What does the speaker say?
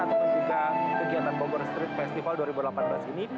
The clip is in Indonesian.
atau juga kegiatan bogor street festival dua ribu delapan belas ini